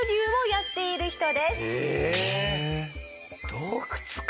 洞窟か！